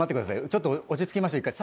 ちょっと落ち着きましょう一回。